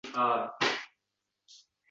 har biri turli ekinlarni eksa